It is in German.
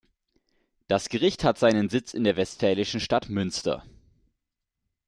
Das Gericht hat seinen Sitz in der westfälischen Stadt Münster.